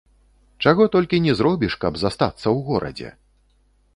Чаго толькі ні зробіш, каб застацца ў горадзе!